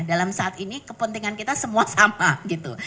dalam saat ini kepentingan kita semua sama gitu